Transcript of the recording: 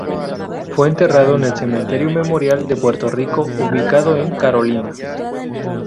Fue enterrado en el Cementerio Memorial de Puerto Rico ubicado en Carolina.